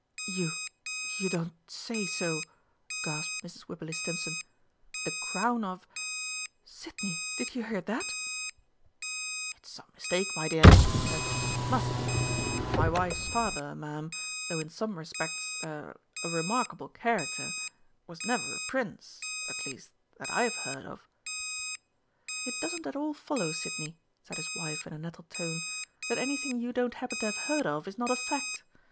"You you don't say so!" gasped Mrs. Wibberley Stimpson. "The Crown of Sidney, did you hear that." "It's some mistake, my dear," he said. "Must be! ... My wife's father, Ma'am, though in some respects a a remarkable character, was never a Prince at least that I've heard of." "It doesn't at all follow, Sidney," said his wife in a nettled tone, "that anything you don't happen to have heard of is not a fact.